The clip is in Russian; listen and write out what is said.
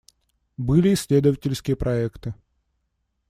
Были исследовательские проекты.